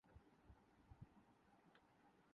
نوجوان لڑکی Emma Gold نے کہا